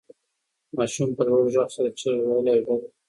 ماشوم په لوړ غږ سره چیغې وهلې او ژړل یې.